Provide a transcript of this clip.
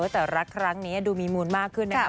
แต่รักครั้งนี้ดูมีมูลมากขึ้นนะครับ